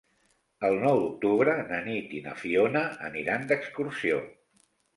El nou d'octubre na Nit i na Fiona aniran d'excursió.